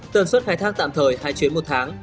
tần suất khai thác tạm thời hai chuyến một tháng